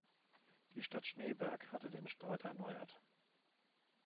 Die Stadt Schneeberg hatte den Streit erneuert.